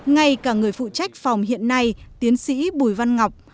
ngay cả người phụ trách phòng hiện nay tiến sĩ bùi văn ngọc